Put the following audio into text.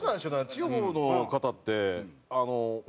地方の方って。